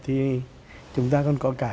thì chúng ta còn có cả